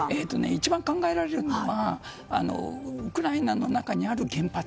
一番考えられるのはウクライナの中にある原発。